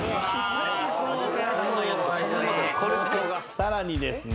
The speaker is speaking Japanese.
さらにですね